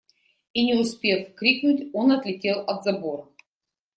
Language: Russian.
И, не успев крикнуть, он отлетел от забора.